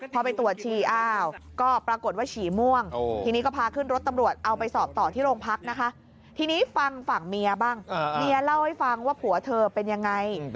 พอไปตรวจฉี่อ้าวก็ปรากฏว่าฉี่ม่วง